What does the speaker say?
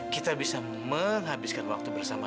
kita bisa menghabiskan waktu bersama